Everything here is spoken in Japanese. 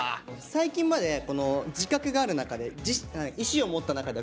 最近まで自覚がある中で「意思をもった中で」？